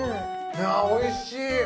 いやあおいしい！